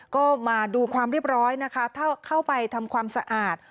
ก็มาดูความเรียบร้อยนะคะถ้าเข้าไปทำความสะอาด